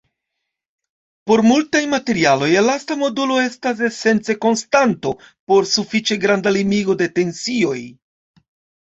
Por multaj materialoj, elasta modulo estas esence konstanto por sufiĉe granda limigo de tensioj.